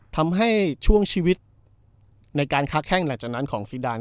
ทำให้ช่วงชีวิตในการค้าแข้งหลังจากนั้นของซีดาน